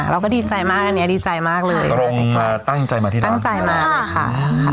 เราก็ดีใจมากอันนี้ดีใจมากเลยตั้งใจมาที่นั่นตั้งใจมาเลยค่ะ